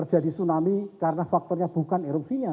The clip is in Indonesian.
tidak ada tsunami karena faktornya bukan erupsinya